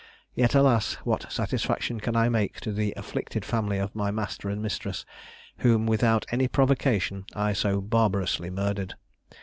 Yet, alas! what satisfaction can I make to the afflicted family of my master and mistress, whom without any provocation I so barbarously murdered?